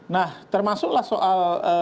nah termasuklah soal